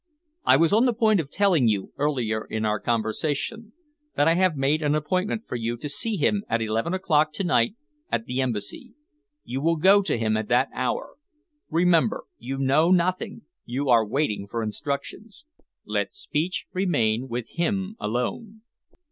"I was on the point of telling you, earlier in our conversation, that I have made an appointment for you to see him at eleven o'clock to night at the Embassy. You will go to him at that hour. Remember, you know nothing, you are waiting for instructions. Let speech remain with him alone.